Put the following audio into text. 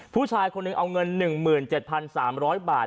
ผู้ชายคนหนึ่งเอาเงิน๑๗๓๐๐บาท